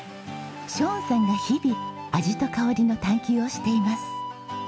ショーンさんが日々味と香りの探究をしています。